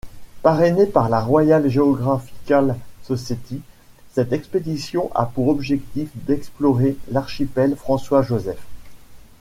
Parrainé par la Royal Geographical Society, cette expédition a pour objectif d'explorer l'archipel François-Joseph.